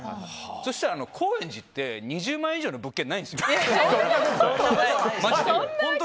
そうしたら、高円寺って２０万円以上の物件ないんですよ。